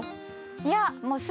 いや。